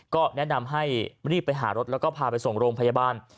ก็แนะนำให้รีบไปหารถแล้วก็พาไปส่งโรงพยาบาล